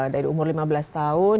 dari umur lima belas tahun